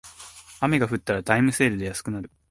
雨が降ったらタイムセールで安くなる